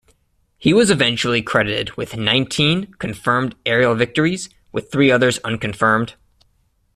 He was eventually credited with nineteen confirmed aerial victories, with three others unconfirmed.